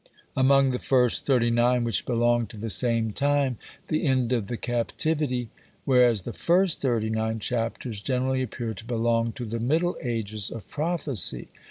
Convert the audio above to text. among the first 39 which belong to the same time, the end of the Captivity whereas the first 39 chapters (generally) appear to belong to the "Middle Ages" of Prophecy.